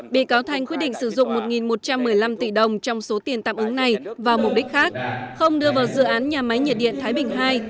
bị cáo thanh quyết định sử dụng một một trăm một mươi năm tỷ đồng trong số tiền tạm ứng này vào mục đích khác không đưa vào dự án nhà máy nhiệt điện thái bình ii